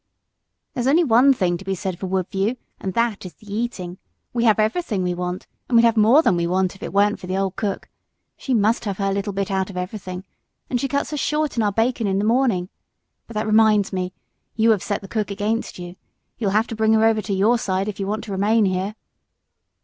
"There's only one thing to be said for Woodview, and that is the eating; we have anything we want, and we'd have more than we want if it weren't for the old cook: she must have her little bit out of everything and she cuts us short in our bacon in the morning. But that reminds me! You have set the cook against you; you'll have to bring her over to your side if you want to remain here."